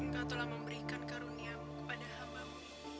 engkau telah memberikan karuniamu kepada hambamu